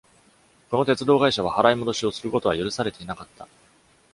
この鉄道会社は払い戻しをすることは許されていなかった。